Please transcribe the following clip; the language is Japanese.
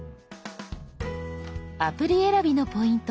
アプリ選びのポイント